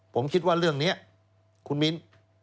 ผมคิดว่าเรื่องนี้คุณมิ้น